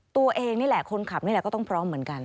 ตัวเองนี่แหละคนขับนี่แหละก็ต้องพร้อมเหมือนกัน